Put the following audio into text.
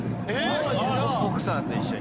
奥さんと一緒に。